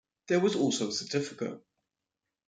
There was also a certificate.